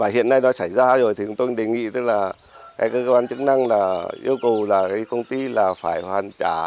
hiện nay nó xảy ra rồi thì chúng tôi đề nghị cơ quan chức năng yêu cầu công ty phải hoàn trả